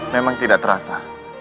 memang tidak terasa